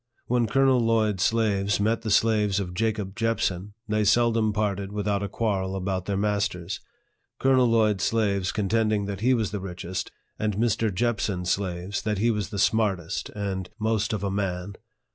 When Colonel Lloyd's slaves met the slaves of Jacob Jepson, they seldom parted without a quarrel about their masters ; Colonel Lloyd's slaves contending that he was the richest, and Mr. Jepson's slaves that he was the smartest, and most of a man.